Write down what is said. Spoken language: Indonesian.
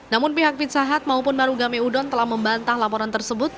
namun pihak pizza hut maupun marugame udon telah membantah laporan tersebut